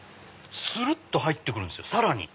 するっと入って来るんですよさらに。